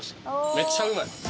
めっちゃうまい。